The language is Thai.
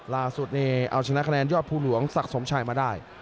ล่าสุดนี่เอาชนะคะแนนยอดภูหลวงศักดิ์สมชายมาได้